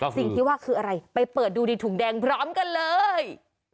สิ่งที่ว่าคืออะไรไปเปิดดูในถุงแดงพร้อมกันเลย